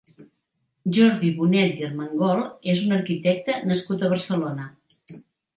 Jordi Bonet i Armengol és un arquitecte nascut a Barcelona.